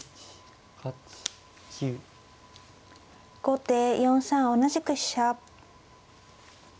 後手４三同じく飛車。